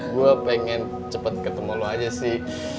gue pengen cepet ketemu lo aja sih